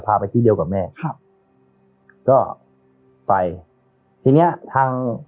พาไปที่เดียวกับแม่ครับก็ไปทีเนี้ยทาง